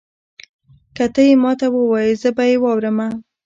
که تۀ یې ماته ووایي زه به یې واورمه.